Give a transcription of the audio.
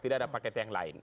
tidak ada paket yang lain